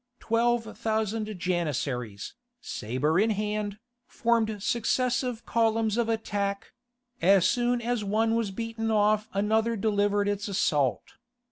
Twelve thousand Janissaries, sabre in hand, formed successive columns of attack; as soon as one was beaten off another delivered its assault.